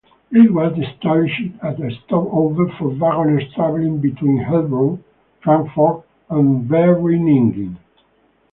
It was established as a stop-over for wagoners travelling between Heilbron, Frankfort and Vereeniging.